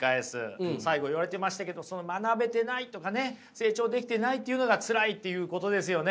最後言われてましたけど学べてないとかね成長できてないというのがツラいっていうことですよね？